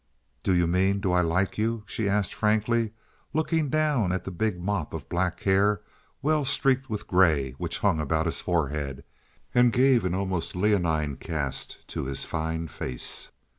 "Do you mean do I like you?" she asked, frankly, looking down at the big mop of black hair well streaked with gray which hung about his forehead, and gave an almost lionine cast to his fine face.